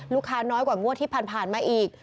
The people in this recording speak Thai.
ลูกค้าน้อยกว่างว่าที่ผ่านมาอีก